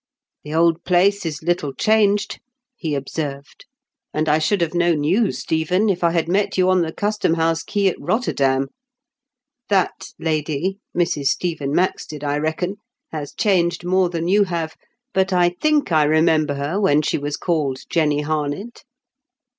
"The old place is little changed," he observed, "and I should have known you. THE KINQ'8 PRE 8 8. 279 Stephen, if I had met you on the custom house quay at Rotterdam. That lady — Mrs. Stephen Maxted, I reckon — ^has changed more than you have, but I think I remember her when she was called Jenny Harnett.''